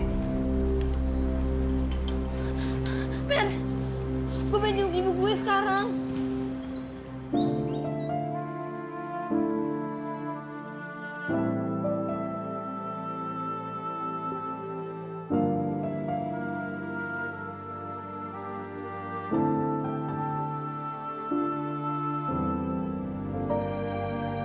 mer gue pengen nyunggu ibu gue sekarang